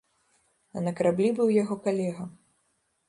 А на караблі быў яго калега.